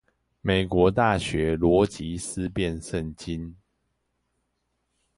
美國大學邏輯思辨聖經